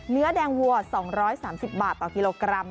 เนื้อแดงวัว๒๓๐บาทต่อกิโลกรัม